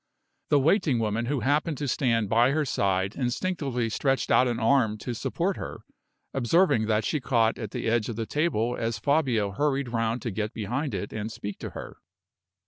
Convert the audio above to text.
The waiting woman who happened to stand by her side instinctively stretched out an arm to support her, observing that she caught at the edge of the table as Fabio hurried round to get behind it and speak to her.